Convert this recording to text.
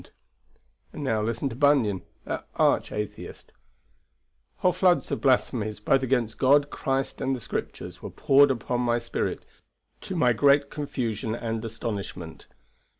And now listen to Bunyan, that arch atheist: "Whole floods of blasphemies both against God, Christ, and the Scriptures were poured upon my spirit, to my great confusion and astonishment.